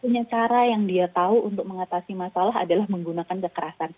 satunya cara yang dia tahu untuk mengatasi masalah adalah menggunakan kekerasan